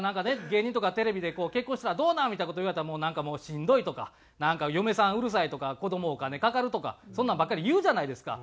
芸人とかがテレビで「結婚したらどうなん？」みたいな事言われたら「なんかもうしんどい」とか「嫁さんうるさい」とか「子どもお金かかる」とかそんなんばっかり言うじゃないですか。